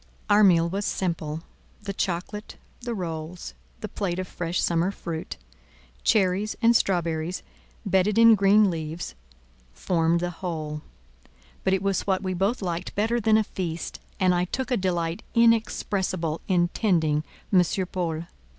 Our meal was simple: the chocolate, the rolls, the plate of fresh summer fruit, cherries and strawberries bedded in green leaves formed the whole: but it was what we both liked better than a feast, and I took a delight inexpressible in tending M. Paul.